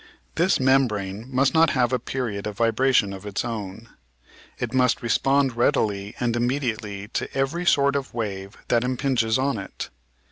This membrane must not have a period of vibration of its own. It must respond readily and immediately to every sort of wave that impinges on it.